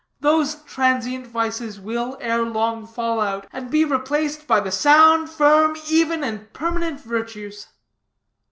Those transient vices will, ere long, fall out, and be replaced by the sound, firm, even and permanent virtues.